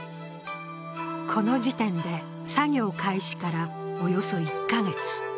この時点から作業開始からおよそ１か月。